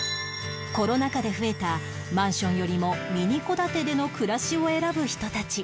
コロナ禍で増えたマンションよりもミニ戸建てでの暮らしを選ぶ人たち